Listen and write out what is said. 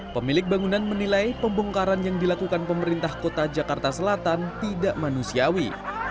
pemilik bangunan menilai pembongkaran yang dilakukan pemerintah kota jakarta selatan tidak manusiawi